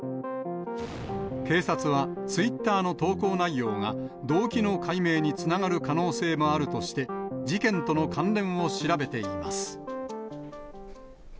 警察は、ツイッターの投稿内容が動機の解明につながる可能性もあるとして、事件との関連を調べています。